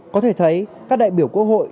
có thể thấy các đại biểu quốc hội